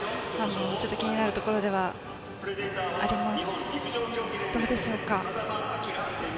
ちょっと気になるところではあります。